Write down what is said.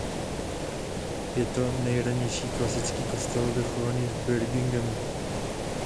Je to nejranější klasický kostel dochovaný v Birminghamu.